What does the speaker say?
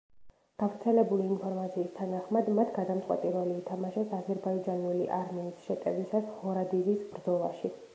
გავრცელებული ინფორმაციის თანახმად, მათ გადამწყვეტი როლი ითამაშეს აზერბაიჯანული არმიის შეტევისას ჰორადიზის ბრძოლაში.